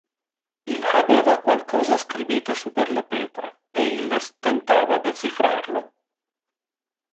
Il habeva qualcosa scribite super le petra, e illes tentava decifrar lo.